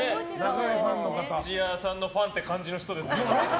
土屋さんのファンって感じの人ですね。